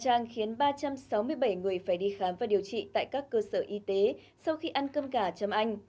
đang khiến ba trăm sáu mươi bảy người phải đi khám và điều trị tại các cơ sở y tế sau khi ăn cơm gà ở trâm anh